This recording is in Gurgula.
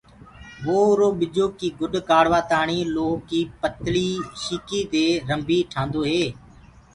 وو اُرو ٻجو ڪي گُڏ ڪروآ تآڻي لوهڪي پتݪي شيڪي دي رنڀي ٺآندوئي۔